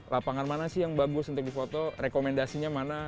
lapangan mana sih yang bagus untuk difoto rekomendasinya mana